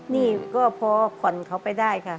นี่ก็พอผ่อนเขาไปได้ค่ะ